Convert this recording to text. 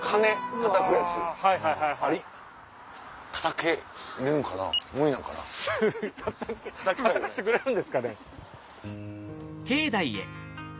たたかせてくれるんですかね？